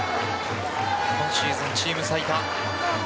今シーズン、チーム最多。